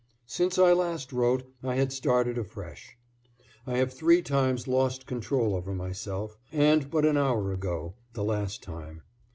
Since I last wrote I had started afresh. I have three times lost control over myself, and but an hour ago, the last time.